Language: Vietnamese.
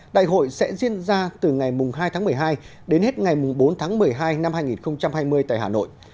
đại hội sẽ diễn ra từ ngày hai tháng một mươi hai đến hết ngày bốn tháng một mươi hai năm hai nghìn hai mươi tại hà nội